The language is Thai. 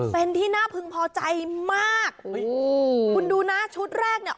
เป็นที่น่าพึงพอใจมากคุณดูนะชุดแรกเนี่ย